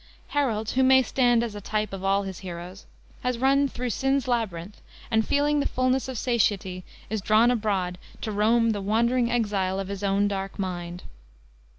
Harold who may stand as a type of all his heroes has run "through sin's labyrinth" and feeling the "fullness of satiety," is drawn abroad to roam, "the wandering exile of his own dark mind."